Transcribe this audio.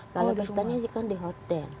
kalau pestanya kan di hotel